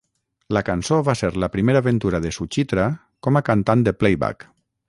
La cançó va ser la primera aventura de Suchitra com a cantant de playback.